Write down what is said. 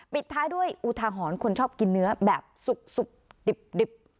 ปิดท้ายด้วยอุทาหรณ์คนชอบกินเนื้อแบบสุกดิบ